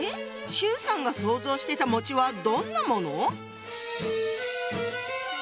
周さんが想像してたはどんなもの？